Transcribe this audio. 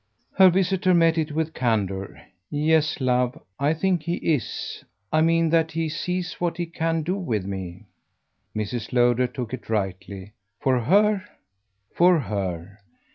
Her visitor met it with candour. "Yes, love, I think he IS. I mean that he sees what he can do with me." Mrs. Lowder took it rightly. "For HER." "For her.